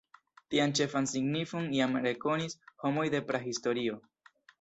Tian ĉefan signifon jam rekonis homoj de prahistorio.